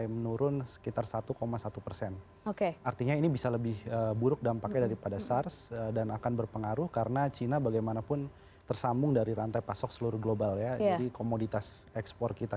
pemerintah juga menghentikan promosi wisata